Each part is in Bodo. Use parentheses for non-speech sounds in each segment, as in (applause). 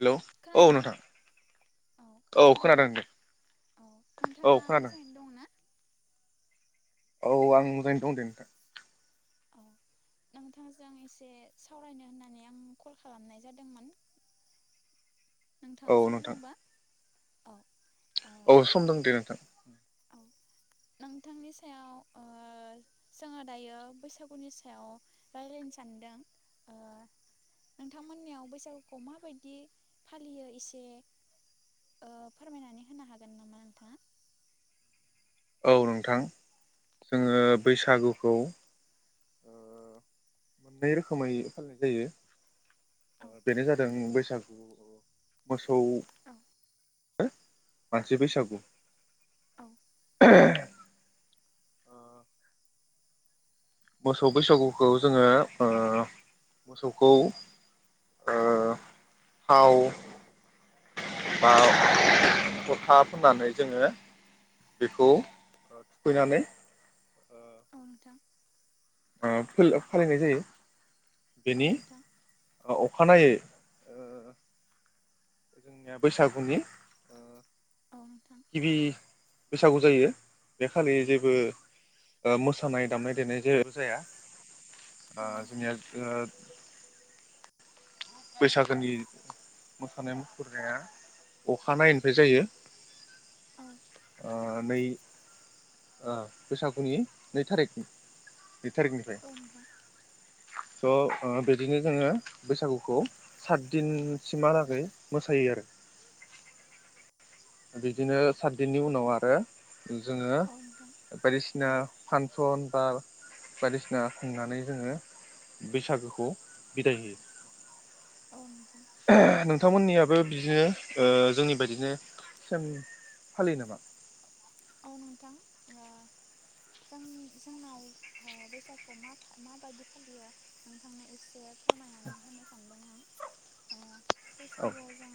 हेलौ औ खोनादोंना नोंथां औ खोनादों खोनादोंनाा दे औ औ नोंथाङा खोनादों मोजाङैनो दं ना औ आं मोजाङैनो दं दे नोंथां औ नोंथांजों एसे सावरायनो होननानै आं कल खालामनाय जादोंमोन औ नोंथाङा सम नोंथां दंबा औ ओ औ सम दं दे नोंथां औ नोंथांनि सायाव ओ जोङो दायो बैसागुनि सायाव रायज्लायनो सानदों नोंथांमोननियाव बैसागुखौ माबायदि फालियो एसे ओ फोरमायनानै होनो हागोन नामा नोंथाङा औ नोंथां औ जोङो बैसागु खौ मोननै रोखोमै फालिनाय औ जायो बेनो जादों बैसागु मोसौ औ खौ मानसि बैसागु औ (inaudible) ओ मोसौ बैसागुखौ जोङो ओ मोसौखौ ओ थाव बा फोथा फोननानै जोङो बेखौ थुखैनानै अ नोंथां ओ फोला फालिनाय जायो औ बेनि नोंथां अखानायै ओ जोंनिया बैसागुनि औ नोंथां गिबि बैसागु जायो बे खालि जेबो ओ मोसानाय दामनाय देनाय जाया आ औ नोंथां जोंनिया ओ बैसागोनि मोसानाय मुसुरनाया अखानायैनायनिफ्राय जायो औ ओ नोंथां नै ओ बैसागुनि नै थारिखनि नै थारिखनिफ्राय औ नोंथां स बिदिनो जोङो बैसागुखौ सातदिनसिमहालागै मोसायो आरो बिदिनो सातदिननि उनाव आरो जोङो औ नोंथां औ बायदिसिना फान सन बार बायदिसिना खुंनानै जोङो बैसागोखौ बिदाय होयो औ नोंथां नोंथांमोननियाबो बिदिनो ओ जोंनि बायदिनो सेम फालियो नामा? औ नोंथां ओ जों जोंनाव ओ बैसागुखौ मा माबायदि फालियो नोंथांनो एसे फोरमायनानै होनो सानदों आं ओ बैसागुआव जों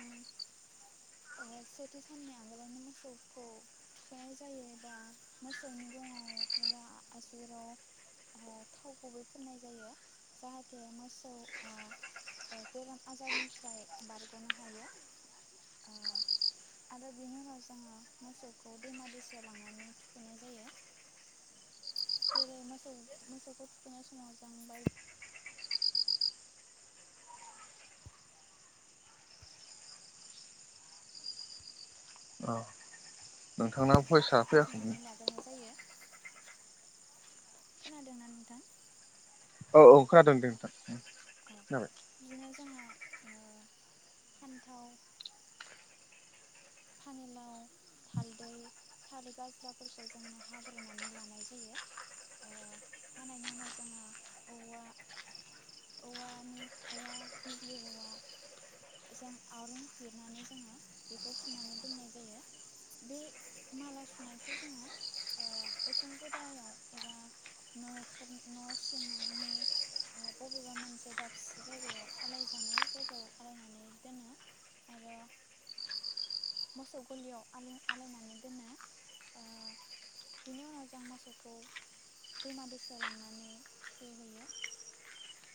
ओ सेथि साननि आगोलावनो मोसौखौ थुखैनाय जायो एबा मोसौनि गङाव एबा आसुगुराव ओ थाव गुबै फुननाय जायो जाहाथे मोसौआ बेराम आजारनिफ्राय बारग'नो हायो ओ आरो बिनि उनाव जोङो मोसौखौ दैमा दैसायाव लांनानै थुखैनाय जायो जेरै मोसौ मोसौखौ थुखैनाय समाव जों बायदि औ नोंथांना भयसा फैयाखैमोन बुथुमनानै लाग्रोनाय जायो खोनादोंना नोंथां? औ औ खोनादों दे नोथां। औ बिदिनो जोंहा। ओ फान्थाव फानिलाव हालदै थालिर गाज्लाफोरखौ जोङो हाग्रोनानै लानाय जायो ओ हानायनि उनाव जोङो औवा औवानि औवा बिजलि औवा जों आरुं जिरनानै जोङो बेखौ सुनानै दोननाय जायो बे माला सुनायखौ जोङो ओ उसुं गेदायाव एबा न'खर न' सिङनि ओ बबेबा मोनसे दाबसे जायगायाव आलायजानाय जायगायाव आलायनानै दोनो आरो मोसौ गलियाव आलाय-आलायनानै दोनो ओ बिनि उनाव जों मोसौखौ दैमा दैसायाव लांनानै थुखैहैयो।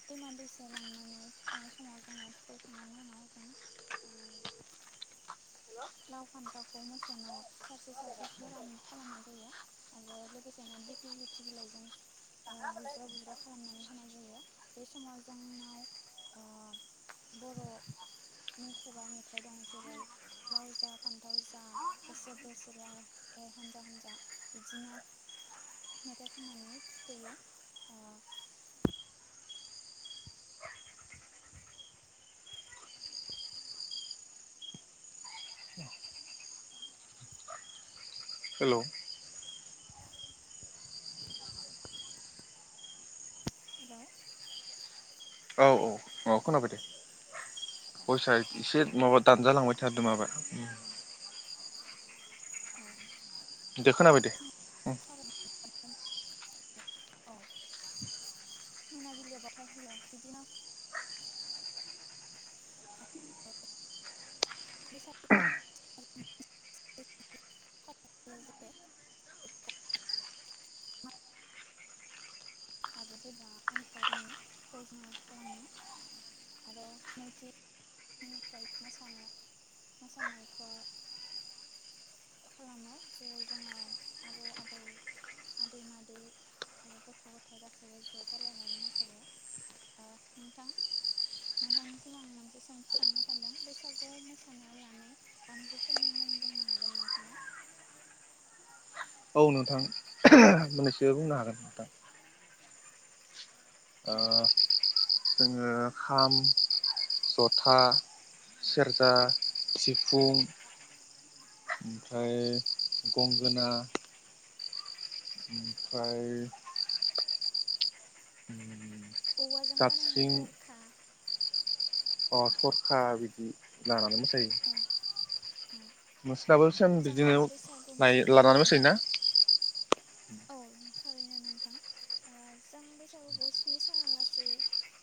दैमा दैसायाव लांनानै थुखैनाय समाव जोङो थुखैखांनायनि उनाव जों ओ लाव फान्थावखौ मोसौनाव सारसो सारसो (unintelligible) खालामनाय जायो आरो लोगोसेनो दिग्लि लिथि बिलाइजों ओ बुज्राव बुज्राव खालामनानै होनाय जायो। बे समाव जोंनाव ओ बर'नि खुगा मेथाइ दं जेरै लाव जा फान्थाव जा बोसोर बोसोरै एर हान्जा हान्जा बिदिनो मेथाइ खननानै थुखैयो ओ हेलौ। हेलौ। औ औ औ खोनाबाय दे अ भयसा एसे माबा दानजालांबाय थादों माबा। अ दे खोनाबाय दे। (unintelligible) औ मोनाबिलियाव बावथाय होयो बिदिनो (unintelligible) आरो गेदेरा उनखौ उननिखौ जोङो खालामो आरो नैथिनिफ्राय मोसानो मोसानायखौ खालामो जेरै जोङो आबौ आबै आदै मादै ओ गथ' गथाय थाय गासैबो ज'जालायनानै मोसायो ओ नोंथां नोंथांनिसिम आं मोनसे सोंथि सोंनो सान्दों बैसागु मोसानायाव लानाय दामजुफोरनि मुं बुंनो हागोन नोंथाङा? औ नोंथां मोननैसो बुंनो हागोन नोंथां। ओ औ जोङो खाम ज'था सेरजा सिफुं ओमफ्राय गंगोना ओमफ्राय औवाजों बानायनाय जाबस्रिं थरखा अ थरखा बिदि लाना नै मोसायो। औ औ नोंसनाबो सिगां जोङो बिदिनो बैसागु लायो मोसानायखौ लानानै मोसायोना? औ थारैनो नोंथां ओ जों बैसागुखौ स्नि साना लासै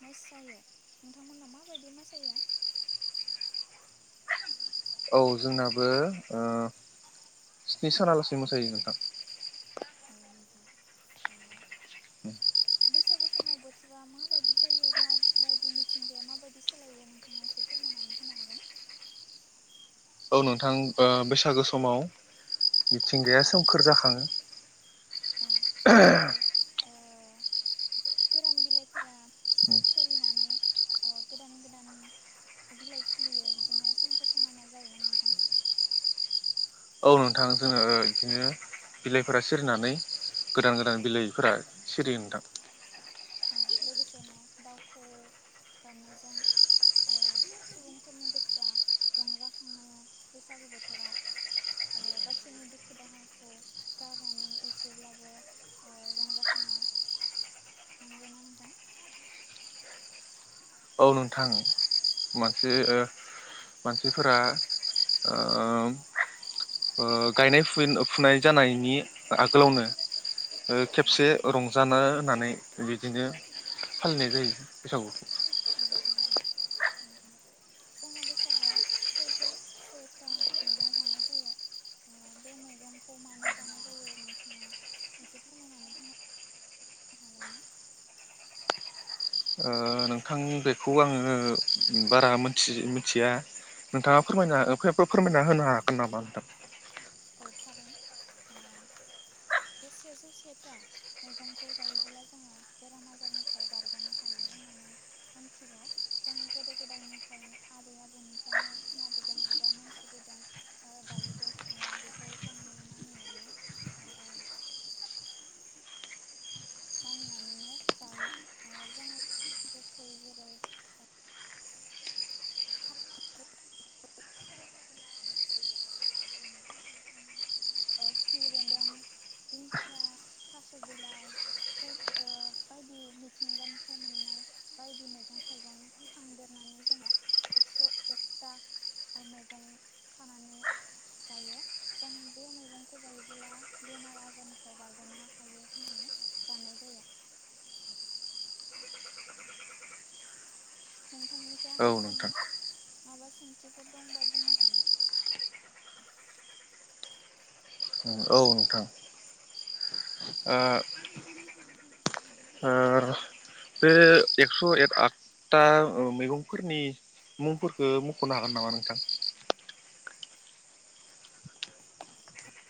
मोसायो नोंथांमोनहा माबायदि मोसायो? औ जोंनाबो ओ स्नि सानालासे मोसायो नोंथां। अ नोंथां ओ बैसागु समाव बोथोरा माबायदि जायो माबायदि मिथिंगाया माबायदि सोलायो नोंथाङा एसे फोरमायनानै होनो हागोन। औ नोंथां ओ बैसागो समाव मिथिंगाया सोमखोर जाखाङो। औ जेरै ओ गोरान बिलाइफोरा खि-खोरिनानै ओ गोदान गोदान बिलाइ खिलियो बिदिनो सोमखोर समायना जायोना नोंथां? औ नोंथां जोङो बिदिनो बिलाइफोरा सिरिनानै गोदान गोदान बिलाइफोरा सिरियो नोंथां। लोगोसेनो दाउ खौवौ गाबनायजों ओ सुबुंफोरनि गोसोआ रंजाखांनाय बैसागु बोथोराव ओ गावसोरनि दुखु दाहाखौ गारनानै एसेब्लाबो ओ रंजाखाङो नंगौना? थां। औ नोंथां मानसि ओ मानसिफोरा ओ ओ गायनाय फुनाय जानायनि आगोलावनो। ओ औ खेबसे नोंथां रंजानो होननानै बिदिनो फालिनाय जायो बैसागुखौ। औ नोंथां जोङो बैसागुआव सेजौ सेथा मैगं जानाय जायो बे मैगंखौ मानो जानाय जायो नोंथाङा एसे फोरमायनानै होन हागोन ना ओ नोंथां बेखौ आङो बारा मिनथि मोनथिया नोंथाङा फोरमायना फोरमायना होनो हायागोन नामा नोंथां औ थारै ओ बे सेजौ सेथा मैगंखौ जायोबोब्ला जोङो बेराम आजारनिफ्राय बारग'नो हायो होननानै मोनथिगौ जों गोदो गोदायनिफ्राय आबै आबौनिफ्रायनो खोनाबोदों एबा मोनथिबोदों ओ दायोबो जोङो बे खौ जों मानिनानै ओ मानिनानैनो जायो ओ जों गोखै जेरै ओ खिफि बेन्दों दिंखिया थास' बिलाइ जाय ओ बायदि मिथिंगानिफ्राय मोननाय बायदि मैगं थाइगं खांदेरनानै जोङो एक्स' एकथा मैगं खानानै जायो जों बे मैगंखौ जायोब्ला बेमार आजारनिफ्राय बारग'नो हायो होननानै जानाय जायो। नोंथांनिफ्राय औ आंनिसिम नोंथां माबा सोंथिफोर दंबा बुंनो हागोन। औ नोंथां ओ ओ बे एक्स' ए आदथा मैगंफोरनि मुंफोरखौ मख'नो हागोन नामा नोंथां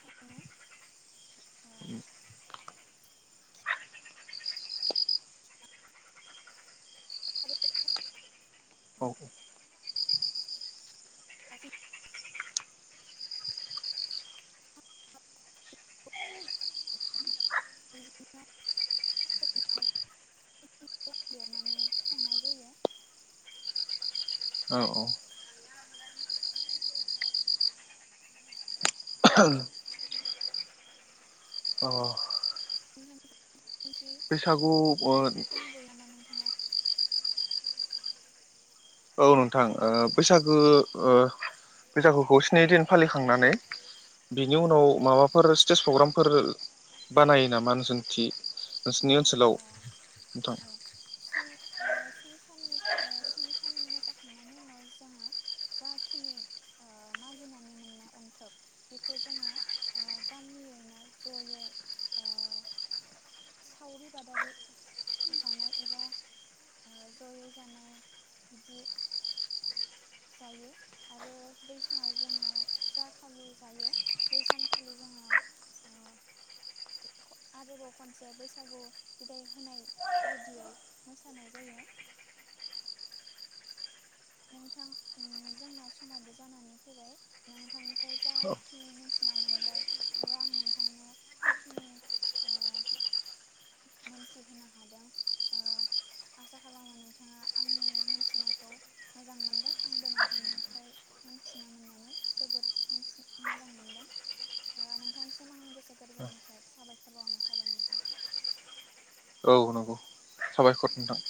थारैनो ओ थारै औ बिदिनो देरनानै संनाय जायो। औ औ औ नों बैसागु ओ दंबोयो नामा नोंथाङा औ नोंथां ओ बैसागु ओ बैसागुखौ स्नि दिन फालिखांनानै बिनि उनाव औ माबाफोर स्टेज प्रग्रामफोर बानायो नामा नोंसोरनिथि? नोंसिनि नोंथां ओ ओनसोलाव नोंथां? औ स्नि ओ स्निसाननि ओ स्नि साननि मोसाखांनायनि उनाव जोङो जाखिनि मागिनानै मोननाय अन्थोब बेखौ जोङो गामियैनो जयै ओ सावरि बादारि जानाय एबा जयै जानाय बिदि जायो आरो बै सानाव जोङो जा खालि जायो बै सानखालि जोङो आरोबाव खनसे बैसागु बिदाय होनाय बायदियै मोसानाय जायो। नोंथां ओ जोंना समावबो जानानै फैबाय नोंथांनिफ्राय जाखिनि मोनथिना मोनबाय एबा आं नोंथांनो जाखिनि मोनथिहोनो हादों ओ आसा खालामो नोंथाङा आंनि मोनथिनायखौ मोजां मोनदों आंबो नोंथांनिफ्राय मोनथिना मोननानै जोबोर मोनथि मोजां मोनदों ओ नोंथांनिसिम आंनि गोसो गोरबोनिफ्राय साबायखर बावनाय थाबाय नोंथां। औ नंगौ साबायखर नोंथां।